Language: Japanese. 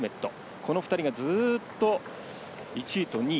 この２人がずっと１位と２位。